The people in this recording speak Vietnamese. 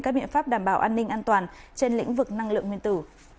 các biện pháp đảm bảo an ninh an toàn trên lĩnh vực năng lượng nguyên tử